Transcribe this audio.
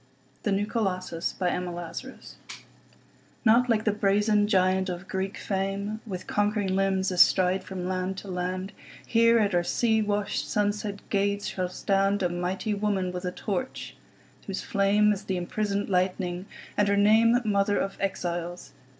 The New Colossus Emma Lazarus NOT like the brazen giant of Greek fame, With conquering limbs astride from land to land; Here at our sea washed, sunset gates shall standA mighty woman with a torch, whose flameIs the imprisoned lightning, and her nameMother of Exiles.